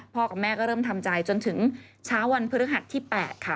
กับแม่ก็เริ่มทำใจจนถึงเช้าวันพฤหัสที่๘ค่ะ